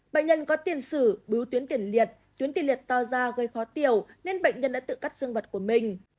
bệnh nhân có tiền xử bứu tuyến tiền liệt tuyến tiền liệt to ra gây khó tiểu nên bệnh nhân đã tự cắt dương vật của mình